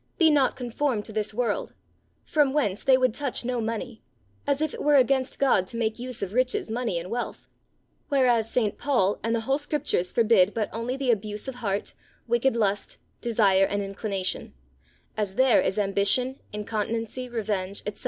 "Be not conformed to this world;" from whence they would touch no money, as if it were against God to make use of riches, money, and wealth; whereas St. Paul and the whole Scriptures forbid but only the abuse of heart, wicked lust, desire, and inclination; as there is ambition, incontinency, revenge, etc.